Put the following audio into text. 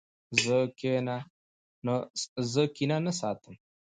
زه کینه نه ساتم.